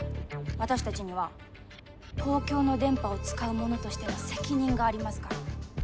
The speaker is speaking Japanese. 私たちには公共の電波を使う者としての責任がありますから！